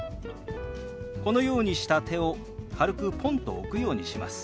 このようにした手を軽くポンと置くようにします。